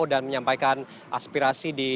perhubungan ber atualase itu